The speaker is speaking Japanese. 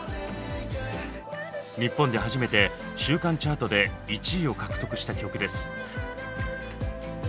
日本で初めて週間チャートで１位を獲得した曲です。